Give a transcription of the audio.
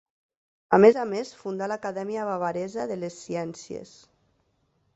A més a més fundà l'Acadèmia Bavaresa de les Ciències.